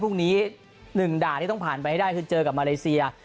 พรุ่งนี้๑ด่านที่ต้องผ่านไปให้ได้คือเจอกับมาเลเซีย